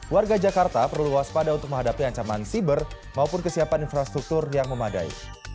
warga jakarta perlu waspada untuk menghadapi ancaman siber maupun kesiapan infrastruktur yang memadai